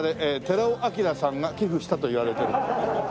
寺尾聰さんが寄付したといわれてる。